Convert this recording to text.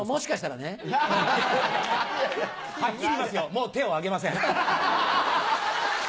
もう手を挙げません。